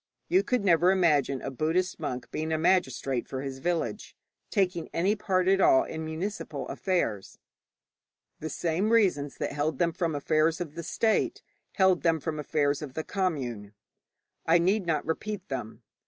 You never could imagine a Buddhist monk being a magistrate for his village, taking any part at all in municipal affairs. The same reasons that held them from affairs of the state held them from affairs of the commune. I need not repeat them.